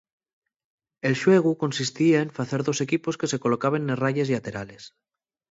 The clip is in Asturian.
El xuegu consistía en facer dos equipos que se colocaben nes rayes llaterales.